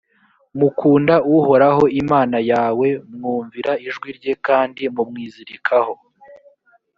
mukunda uhoraho imana yawe, mwumvira ijwi rye, kandi mumwizirikaho.